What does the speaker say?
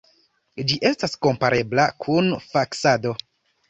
Ĝi estas komparebla kun faksado.